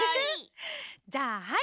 じゃあはい！